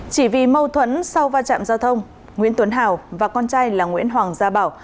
chỉ vì mâu thuẫn sau va chạm giao thông nguyễn tuấn hào và con trai là nguyễn hoàng gia bảo